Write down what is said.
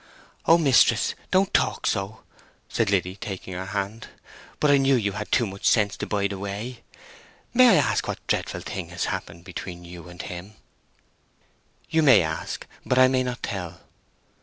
"Oh, mistress, don't talk so!" said Liddy, taking her hand; "but I knew you had too much sense to bide away. May I ask what dreadful thing it is that has happened between you and him?" "You may ask; but I may not tell."